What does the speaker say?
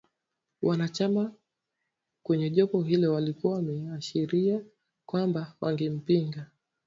Wanachama kwenye jopo hilo walikuwa wameashiria kwamba wangempinga